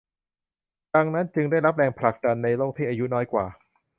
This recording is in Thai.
ดังนั้นจึงได้รับแรงผลักดันในโลกที่อายุน้อยกว่า